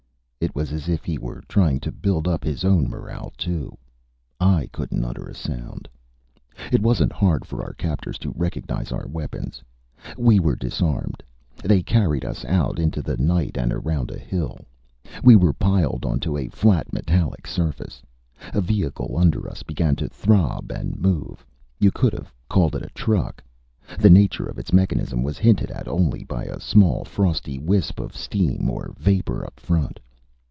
It was as if he were trying to build up his own morale, too. I couldn't utter a sound. It wasn't hard for our captors to recognize our weapons. We were disarmed. They carried us out into the night and around a hill. We were piled onto a flat metallic surface. A vehicle under us began to throb and move; you could have called it a truck. The nature of its mechanism was hinted at only by a small, frosty wisp of steam or vapor up front.